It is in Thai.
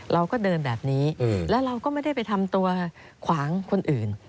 เราก็เดินแบบนี้แล้วเราก็ไม่ได้ไปทำตัวขวางคนอื่น